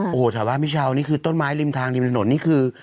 โอ้โหถามว่าพี่เช้านี่คือต้นไม้ริมทางริมถนนนี่คือ